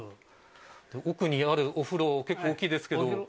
奥にあるお風呂大きいですけど。